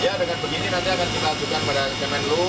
ya dengan begini nanti akan kita ajukan pada kemenlu